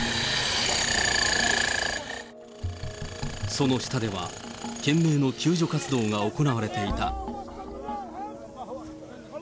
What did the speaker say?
その下では、懸命の救助活動が行われていた。